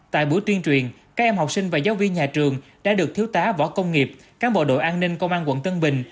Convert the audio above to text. tại buổi tuyên truyền các em học sinh và giáo viên nhà trường đã được thiếu tá võ công nghiệp cán bộ đội an ninh công an quận tân bình